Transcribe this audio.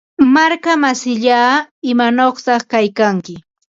Markamsillaa, ¿imanawta kaykanki?